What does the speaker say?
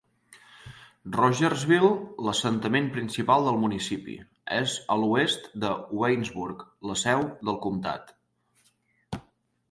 Rogersville, l'assentament principal del municipi, és a l'oest de Waynesburg, la seu del comtat.